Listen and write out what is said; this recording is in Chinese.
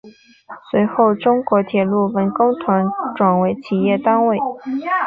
随后中国铁路文工团转为企业单位。